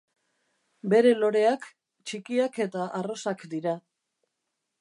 Bere loreak txikiak eta arrosak dira.